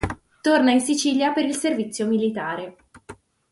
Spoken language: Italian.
Torna in Sicilia per il servizio militare.